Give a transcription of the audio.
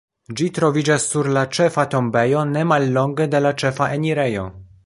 Ĝi troviĝas sur la ĉefa tombejo, ne mallonge de la ĉefa enirejo.